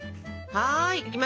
はい！